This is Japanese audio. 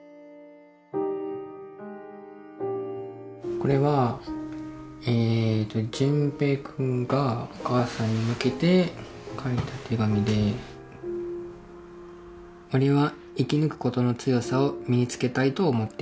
これはえと純平君がお母さんに向けて書いた手紙で「俺は生き抜くことの強さを身につけたいと思っている。